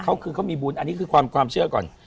เขาคือเขามีบุญอันนี้คือความเชื่อก่อน